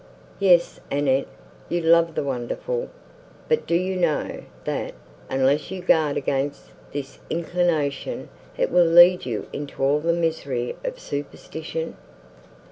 "Yes, Annette, you love the wonderful; but do you know, that, unless you guard against this inclination, it will lead you into all the misery of superstition?"